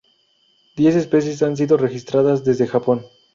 Diez especies han sido registradas desde Japón.